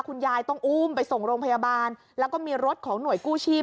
คุณยายต้องอุ้มไปส่งโรงพยาบาลแล้วก็มีรถของหน่วยกู้ชีพ